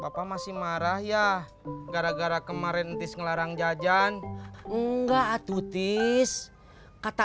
bapak masih marah ya gara gara kemarin ntis ngelarang jajan enggak atutis kata